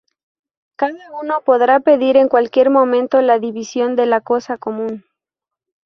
Cada uno podrá pedir en cualquier momento la división de la cosa común.